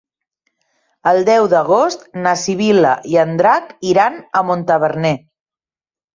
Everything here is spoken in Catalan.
El deu d'agost na Sibil·la i en Drac iran a Montaverner.